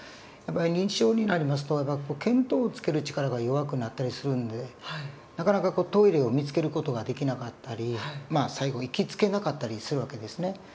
やっぱり認知症になりますと見当をつける力が弱くなったりするんでなかなかトイレを見つける事ができなかったり最後行き着けなかったりする訳ですね。